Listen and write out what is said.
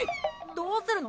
どうするの？